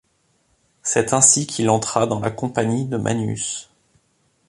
C'est ainsi qu'il entra dans la compagnie de Magnús.